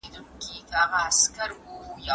په اختر کي کورونه خیرن نه وي.